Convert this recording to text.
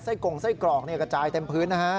กงไส้กรอกกระจายเต็มพื้นนะฮะ